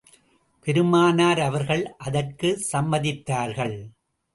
பெருமானார் அவர்கள் அதற்குச் சம்மதித்தார்கள்.